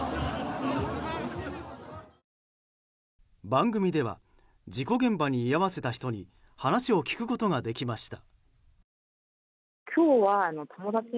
番組では事故現場に居合わせた人に話を聞くことができました。